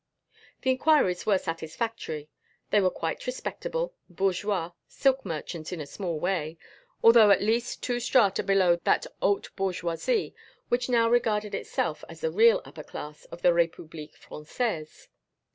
The inquiries were satisfactory; they were quite respectable, bourgeois, silk merchants in a small way although at least two strata below that haute bourgeoisie which now regarded itself as the real upper class of the République Française.